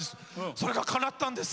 それがかなったんです。